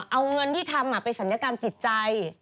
เอาเงินที่ทำไปศัลยกรรมจิตใจ